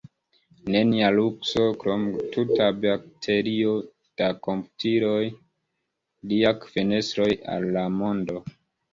Nenia lukso, krom tuta baterio da komputiloj – liaj fenestroj al la mondo.